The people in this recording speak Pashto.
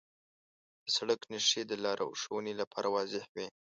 د سړک نښې د لارښوونې لپاره واضح وي.